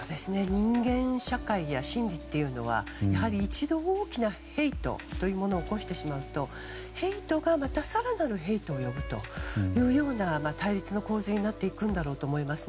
人間社会や心理というのはやはり一度大きなヘイトというものを落としてしまうとヘイトがまた更なるヘイトを呼ぶという対立の構図になっていくんだろうと思います。